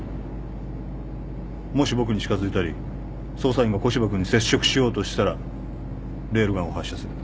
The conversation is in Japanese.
もし僕に近づいたり捜査員が古芝君に接触しようとしたらレールガンを発射する。